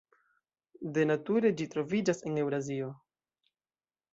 De nature ĝi troviĝas en Eŭrazio.